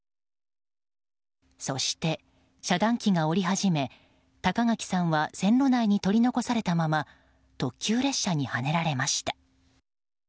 そして遮断機が下り始め高垣さんは線路内に取り残されたまま特急列車にはねられました。